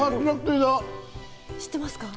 知ってますか？